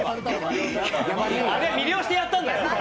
あれは魅了してやったんだよ！